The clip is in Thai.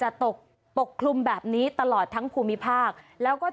ฮัลโหลฮัลโหลฮัลโหลฮัลโหล